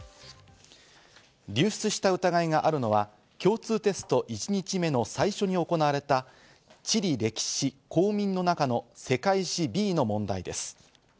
流出した疑いがあるのは共通テスト１日目の最初に行われた地理歴史・公民の中の世界史Ｂの問題です。